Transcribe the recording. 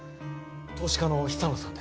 投資家の久野さんです。